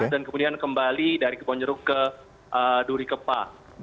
dan kemudian kembali dari kebonjeruk ke duri kepa